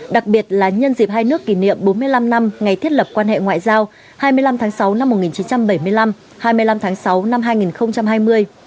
đặc biệt là nhân dịp hai nước kỷ niệm bốn mươi năm năm ngày thiết lập quan hệ ngoại giao hai mươi năm tháng sáu năm một nghìn chín trăm bảy mươi năm hai mươi năm tháng sáu năm hai nghìn hai mươi